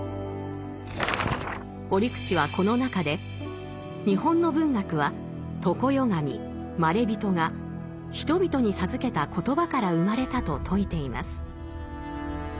折口はこの中で「日本の文学は常世神・まれびとが人々に授けた言葉から生まれた」と説いています。